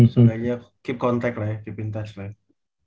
sebenernya keep contact lah ya keep in touch lah ya